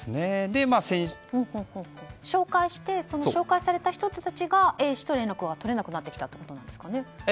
紹介して、紹介された人たちがＡ氏と連絡が取れなくなってきたということですかね。